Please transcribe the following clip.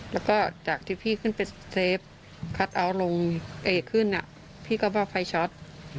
แล้วก็จากที่พี่ขึ้นไปเซฟคัทเอาท์ลงขึ้นพี่ก็บอกไฟช็อต